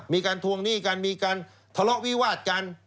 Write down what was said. ทวงหนี้กันมีการทะเลาะวิวาดกัน